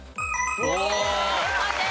正解です。